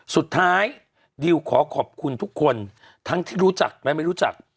สุดท้ายดิวขอขอบคุณทุกคนทั้งที่รู้จักและไม่รู้จัก